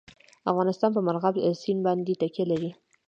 افغانستان په مورغاب سیند باندې تکیه لري.